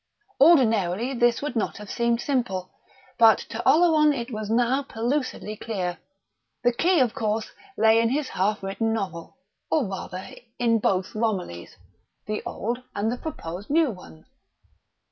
Ordinarily this would not have seemed simple, but to Oleron it was now pellucidly clear. The key, of course, lay in his half written novel or rather, in both Romillys, the old and the proposed new one.